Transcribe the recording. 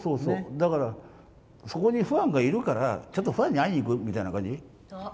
だから、そこにファンがいるからちょっとファンに会いに行くみたいな感じ。